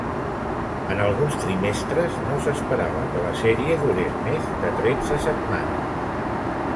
En alguns trimestres, no s'esperava que la sèrie durés més de tretze setmanes.